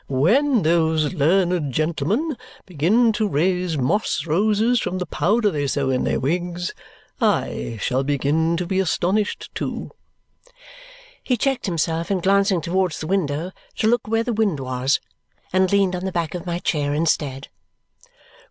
"When those learned gentlemen begin to raise moss roses from the powder they sow in their wigs, I shall begin to be astonished too!" He checked himself in glancing towards the window to look where the wind was and leaned on the back of my chair instead.